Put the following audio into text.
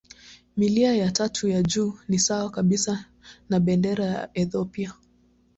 Milia ya tatu ya juu ni sawa kabisa na bendera ya Ethiopia.